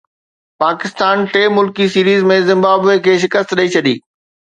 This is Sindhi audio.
پاڪستان ٽي ملڪي سيريز ۾ زمبابوي کي شڪست ڏئي ڇڏي